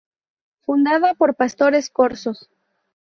Fundada por pastores corsos.